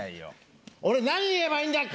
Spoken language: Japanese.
俺何言えばいいんだっけ？